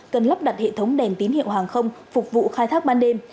cần lắp đặt hệ thống đèn tín hiệu hàng không phục vụ khai thác ban đêm